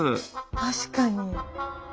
確かに。